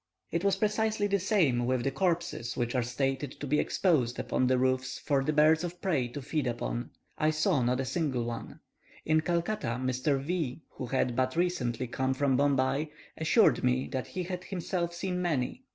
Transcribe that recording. It was precisely the same with the corpses which are stated to be exposed upon the roofs for the birds of prey to feed upon. I saw not a single one. In Calcutta, Mr. V , who had but recently come from Bombay, assured me that he had himself seen many.